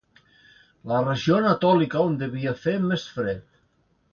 La regió anatòlica on devia fer més fred.